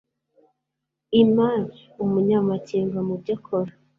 img umunyamakenga mu byo akora